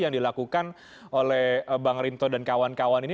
yang dilakukan oleh bang rinto dan kawan kawan ini